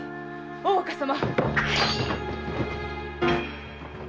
大岡様！